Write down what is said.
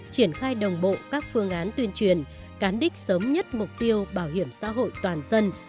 triển khai đồng bộ các phương án tuyên truyền cán đích sớm nhất mục tiêu bảo hiểm xã hội toàn dân